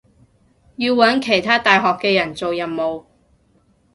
要搵其他大學嘅人做任務